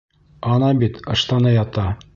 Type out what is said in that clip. Ана бит ыштаны ята!